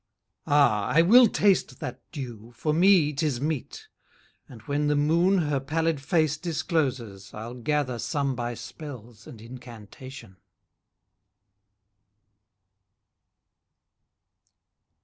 Ah! I will taste that dew, for me 'tis meet, And when the moon her pallid face discloses, I'll gather some by spells, and incantation.